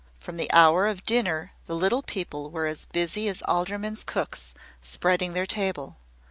From the hour of dinner the little people were as busy as aldermen's cooks, spreading their table.